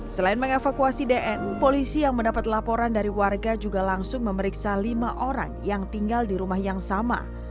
selain mengevakuasi dn polisi yang mendapat laporan dari warga juga langsung memeriksa lima orang yang tinggal di rumah yang sama